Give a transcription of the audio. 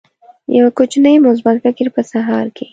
یو کوچنی مثبت فکر په سهار کې